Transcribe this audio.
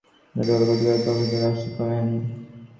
গরমি কলিকাতা অপেক্ষা কোন অংশে কম নহে।